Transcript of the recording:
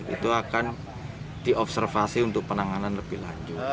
itu akan diobservasi untuk penanganan lebih lanjut